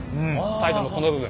サイドのこの部分。